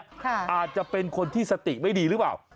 อาจจะเป็นคนที่สติไม่ดีหรือเปล่า